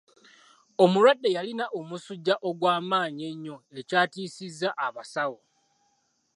Omulwadde yalina omusujja ogw'amaanyi ennyo ekyatiisizza abasawo.